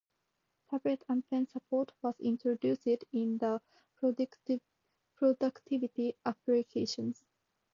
Tablet and pen support was introduced in the productivity applications.